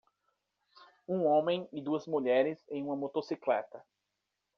Um homem e duas mulheres em uma motocicleta.